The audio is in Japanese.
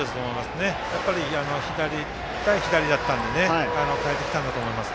やっぱり、対左だったんで代えてきたんだと思います。